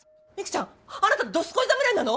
ちゃんあなた「どすこい侍」なの？